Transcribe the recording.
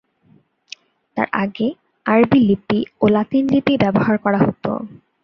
তার আগে আরবি লিপি ও লাতিন লিপি ব্যবহার করা হত।